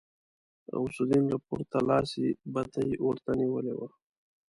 غوث الدين له پورته لاسي بتۍ ورته نيولې وه.